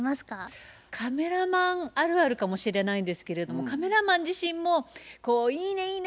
カメラマンあるあるかもしれないんですけれどもカメラマン自身もこう「いいねいいね！